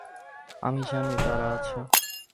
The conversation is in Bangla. আমি জানি তারা আছে।